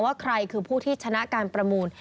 ว่าใครคือผู้ที่ชนะการประมูล